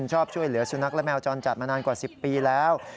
ชอบช่วยเหลือสุนัขและแมวจรจัดมานานกว่า๑๐ปีแล้ว